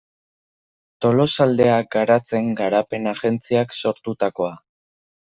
Tolosaldea Garatzen garapen agentziak sortutakoa.